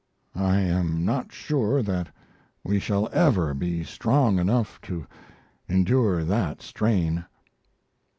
I am not sure that we shall ever be strong enough to endure that strain.